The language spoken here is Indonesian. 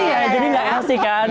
iya jadi nggak enak sih kan